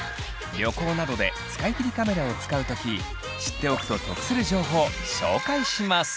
旅行などで使い切りカメラを使う時知っておくと得する情報紹介します！